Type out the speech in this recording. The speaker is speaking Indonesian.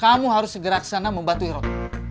kamu harus segera kesana membantu heron